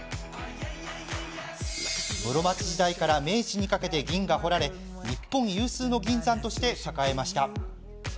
室町時代から明治にかけて銀が掘られ日本有数の銀山として栄えました。